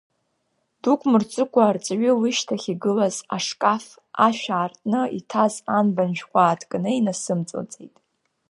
Дук мырҵыкәа арҵаҩы лышьҭахь игылаз ашкаф ашә аартны иҭаз анбан шәҟәы ааҭганы инасымҵалҵеит.